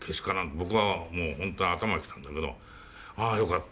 僕はもう本当頭にきたんだけど「ああよかった。